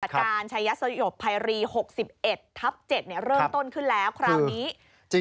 ปฏิบัติการใช้ยัดสยบภายรี๖๑ทับ๗เริ่มต้นขึ้นแล้วคราวนี้